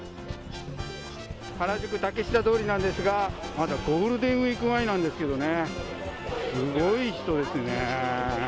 原宿・竹下通りなんですが、まだゴールデンウィーク前なんですけどね、すごい人ですね。